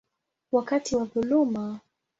wakati wa dhuluma.